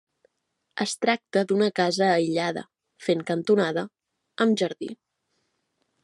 Es tracta d'una casa aïllada, fent cantonada, amb jardí.